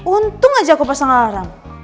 untung aja aku pasang alarm